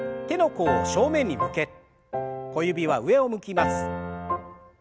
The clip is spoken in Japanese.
手の甲を正面に向け小指は上を向きます。